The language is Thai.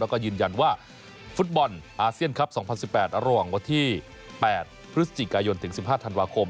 แล้วก็ยืนยันว่าฟุตบอลอาเซียนครับ๒๐๑๘ระหว่างวันที่๘พฤศจิกายนถึง๑๕ธันวาคม